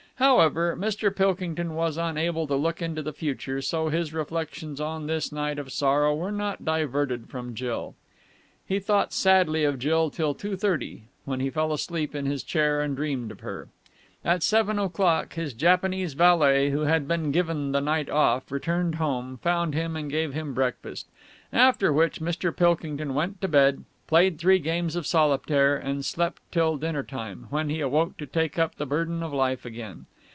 However, Mr. Pilkington was unable to look into the future, so his reflections on this night of sorrow were not diverted from Jill. He thought sadly of Jill till two thirty, when he fell asleep in his chair and dreamed of her. At seven o'clock his Japanese valet, who had been given the night off, returned home, found him, and gave him breakfast. After which, Mr. Pilkington went to bed, played three games of solitaire, and slept till dinner time, when he awoke to take up the burden of life again.